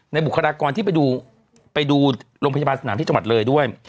บุคลากรที่ไปดูไปดูโรงพยาบาลสนามที่จังหวัดเลยด้วย